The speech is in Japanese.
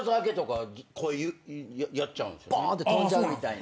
ポーンって飛んじゃうみたいな。